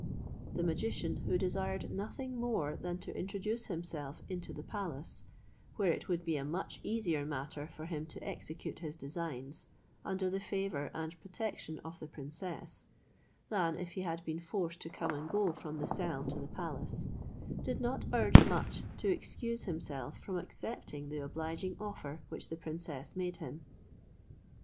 The magician, who desired nothing more than to introduce himself into the palace, where it would be a much easier matter for him to execute his designs, under the favour and protection of the princess, than if he had been forced to come and go from the cell to the palace, did not urge much to excuse himself from accepting the obliging offer which the princess made him.